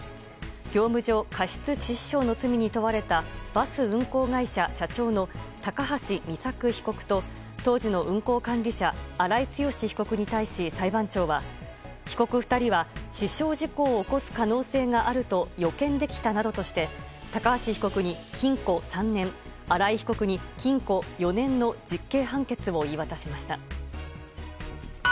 業務上過失致死傷の罪に問われたバス運行会社社長の高橋美作被告と当時の運行管理者荒井強被告に対し裁判長は被告２人は死傷事故を起こす可能性があると予見できたなどとして高橋被告に禁錮３年荒井被告に禁錮４年の実刑判決を言い渡しました。